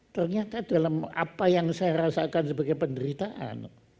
ternyata dalam apa yang saya rasakan sebagai penderitaan